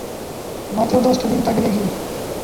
মাত্র দশটা দিন তাকে দেখিনি।